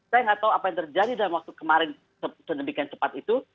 saya nggak tahu apa yang terjadi dalam waktu kemarin sedemikian cepat itu